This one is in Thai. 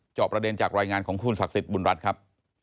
จอบประเด็นจากรายงานของคุณศักดิ์สิทธิบุญรัฐครับ